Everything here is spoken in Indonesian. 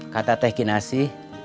kata teh kinasi